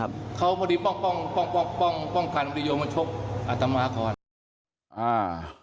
ถ้าไม่มีเรื่องกันทำไมไม่ได้ชกต่อไกลนะครับ